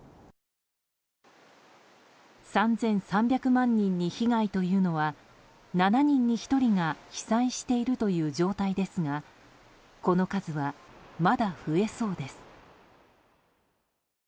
３３００万人に被害というのは７人に１人が被災しているという状態ですがこの数は、まだ増えそうです。